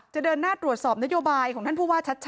เดินหน้าตรวจสอบนโยบายของท่านผู้ว่าชัด